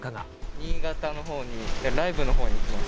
新潟のほうに、ライブのほうに行きます。